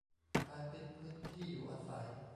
กลายเป็นพื้นที่อยู่อาศัย